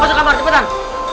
masuk kamar cepetan